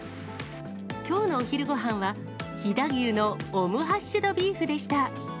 きょうのお昼ごはんは、飛騨牛のオムハッシュドビーフでした。